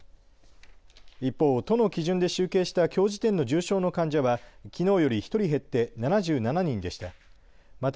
一方、都の基準で集計したきょう時点の重症の患者はきのうより１人減って７７人でした。